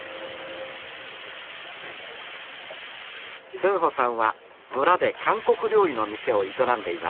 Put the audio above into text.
スンホさんは村で韓国料理の店を営んでいます。